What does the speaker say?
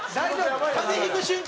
風邪ひく瞬間